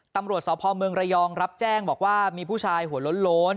ตำรวจสพเมืองระยองรับแจ้งบอกว่ามีผู้ชายหัวโล้น